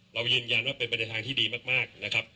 เรายืนยันว่าเป็นในทางที่ดีมาก